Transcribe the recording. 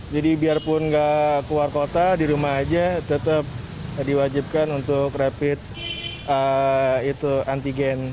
jadi biarpun nggak keluar kota di rumah aja tetap diwajibkan untuk rapid antigen